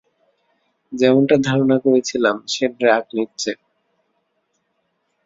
যেমনটা ধারণা করেছিলাম, সে ড্রাগ নিচ্ছে।